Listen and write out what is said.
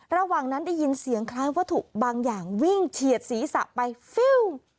ระหว่างนั้นได้ยินเสียงคล้ายวัตถุบางอย่างวิ่งเฉียดศีรษะไปฟิว